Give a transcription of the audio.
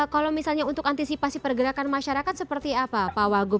kalau misalnya untuk antisipasi pergerakan masyarakat seperti apa pak wagub